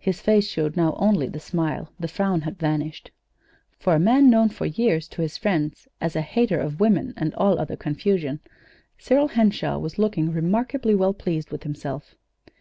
His face showed now only the smile; the frown had vanished. For a man known for years to his friends as a "hater of women and all other confusion," Cyril Henshaw was looking remarkably well pleased with himself.